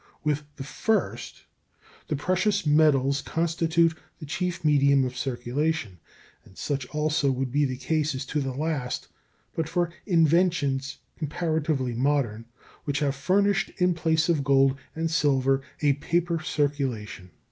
With the first the precious metals constitute the chief medium of circulation, and such also would be the case as to the last but for inventions comparatively modern, which have furnished in place of gold and silver a paper circulation.